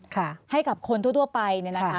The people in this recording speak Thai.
ค่ะให้กับคนทั่วไปนะคะ